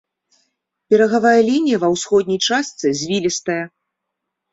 Берагавая лінія ва ўсходняй частцы звілістая.